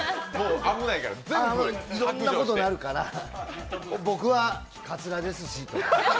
いろんなことになるから僕はかつらですし、とか。